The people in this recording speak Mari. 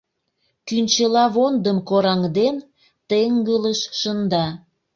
Кӱнчылавондым кораҥден, теҥгылыш шында.